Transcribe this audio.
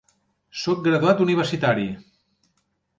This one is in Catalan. Soc graduat universitari.